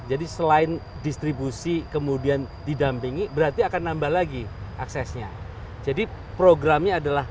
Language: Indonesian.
jadi selain distribusi kemudian didampingi berarti akan nambah lagi aksesnya jadi programnya adalah